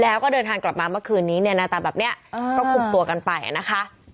แล้วก็เดินทางกลับมาเมื่อคืนนี้เนี่ยหน้าตาแบบนี้ก็คุมตัวกันไปนะคะ